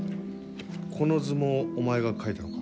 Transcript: この図もお前が描いたのか？